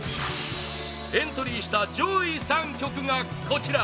エントリーした上位３曲がこちら